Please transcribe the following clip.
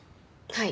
はい。